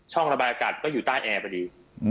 ระบายอากาศก็อยู่ใต้แอร์พอดี